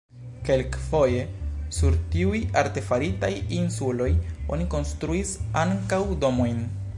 Kelkfoje sur tiuj artefaritaj insuloj oni konstruis ankaŭ domojn.